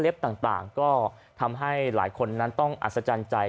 ต่างก็ทำให้หลายคนนั้นต้องอัศจรรย์ใจ